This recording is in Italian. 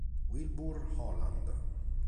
Wilbur Holland